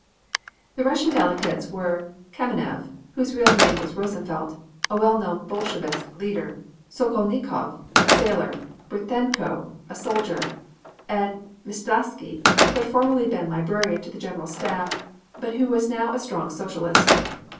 The Russian delegates were Kamenev, whose real name was Rosenfelt, a well known Bolshevist leader; Sokolnikov, a sailor; Bithenko, a soldier, and Mstislasky, who had formerly been librarian to the General Staff, but who was now a strong Socialist.